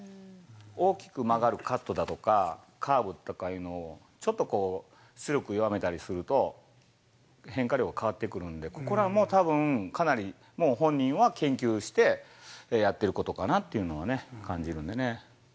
大きく曲がるカットだとか、カーブとかいうのを、ちょっとこう、出力を弱めたりすると、変化量が変わってくるんで、これはもうたぶん、かなり本人は研究してやってることかなっていうのはね、感じるんでね。